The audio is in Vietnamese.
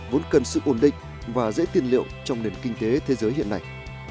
vốn cần sự ổn định và dễ tiên liệu trong nền kinh tế thế giới hiện nay